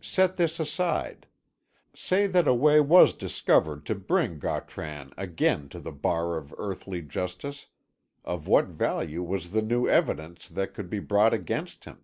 Set this aside. Say that a way was discovered to bring Gautran again to the bar of earthly justice, of what value was the new evidence that could be brought against him?